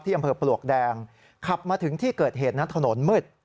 อำเภอปลวกแดงขับมาถึงที่เกิดเหตุนั้นถนนมืด